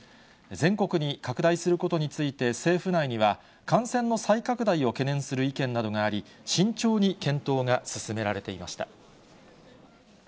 全国に拡大することについて、政府内には、感染の再拡大を懸念する意見などがあり、慎重に検討が進められていました。